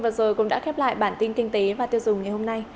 thông tin vừa rồi cũng đã khép lại bản tin kinh tế và tiêu dùng ngày hôm nay